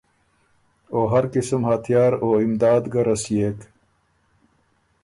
او هر قسم هتیار او امداد ګۀ رسيېک۔